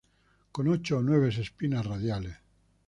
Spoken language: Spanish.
Con ocho o nueve espinas radiales.